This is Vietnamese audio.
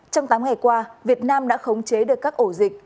trong tám ngày qua việt nam đã khống chế được các ổ dịch